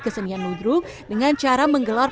kesenian ludru dengan cara menggelar